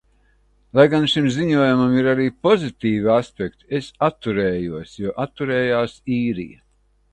Lai gan šim ziņojumam ir arī pozitīvi aspekti, es atturējos, jo atturējās Īrija.